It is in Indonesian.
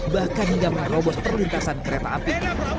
bahkan hingga menerobos perlintasan kereta api